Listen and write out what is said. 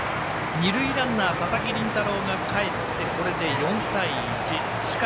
二塁ランナー、佐々木麟太郎がかえって、これで３対１。